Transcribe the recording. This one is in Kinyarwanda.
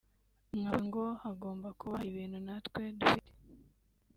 Nkavuga ngo ‘hagomba kuba hari ibintu natwe dufite